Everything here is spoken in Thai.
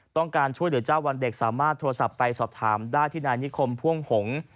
ต้องการช่วยเหลือเจ้าวันเด็กสามารถโทรศัพท์ไปสอบถามได้ที่นายนิคมพ่วงหงษ์